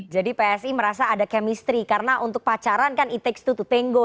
jadi psi merasa ada kemistri karena untuk pacaran kan it takes two to tango